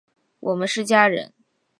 我们是家人！